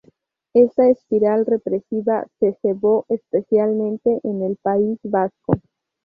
Esta espiral represiva se cebó especialmente en el País Vasco.